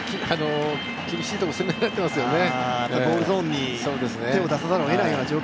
厳しいところを攻められていますよね。